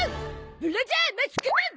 ブラジャーマスクマン！